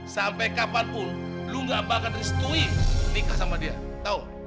sampai kapanpun lu gak bakal restui nikah sama dia tau